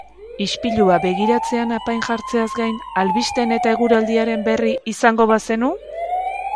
Ispilua begiratzean apain jartzeaz gain, albisteen eta eguraldiaren berri izango bazenu?